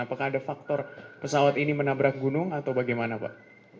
apakah ada faktor pesawat ini menabrak gunung atau bagaimana pak